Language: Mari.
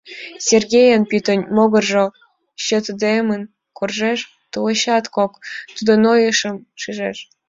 Сергейын пӱтынь могыржо чытыдымын коржеш, тулечат коч тудо нойымым шижеш.